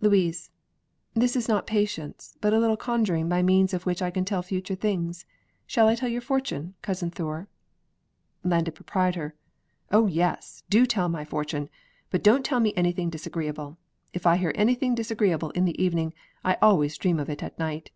Louise This is not Patience, but a little conjuring by means of which I can tell future things. Shall I tell your fortune, Cousin Thure? Landed Proprietor Oh yes! do tell my fortune; but don't tell me anything disagreeable. If I hear anything disagreeable in the evening, I always dream of it at night.